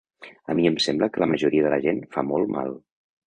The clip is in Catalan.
A mi em sembla que la majoria de la gent fa molt mal.